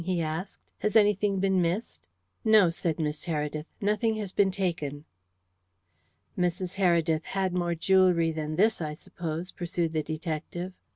he asked. "Has anything been missed?" "No," said Miss Heredith. "Nothing has been taken." "Mrs. Heredith had more jewellery than this, I suppose?" pursued the detective.